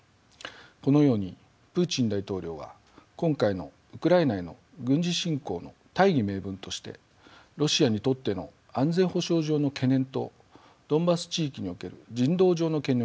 このようにプーチン大統領は今回のウクライナへの軍事侵攻の大義名分としてロシアにとっての安全保障上の懸念とドンバス地域における人道上の懸念を挙げました。